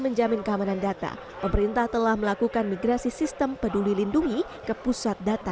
menjamin keamanan data pemerintah telah melakukan migrasi sistem peduli lindungi ke pusat data